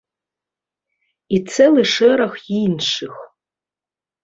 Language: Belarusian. І цэлы шэраг іншых.